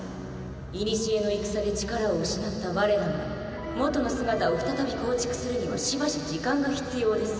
古の戦で力を失った我らが元の姿を再び構築するにはしばし時間が必要です。